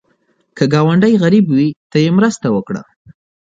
که ګاونډی غریب وي، ته یې مرسته وکړه